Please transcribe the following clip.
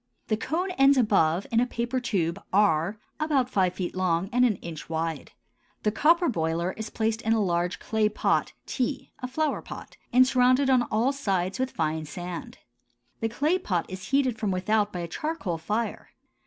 The cone ends above in a paper tube R, about five feet long and an inch wide. The copper boiler is placed in a large clay pot T (a flower pot) and surrounded on all sides with fine sand. The clay pot is heated from without by a charcoal fire.